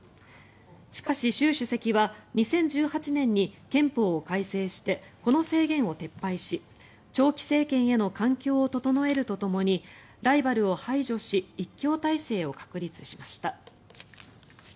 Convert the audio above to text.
しかし、習主席は２０１８年に憲法を改正してこの制限を撤廃し長期政権への環境を整えるとともにライバルを排除し一強体制を確立しました。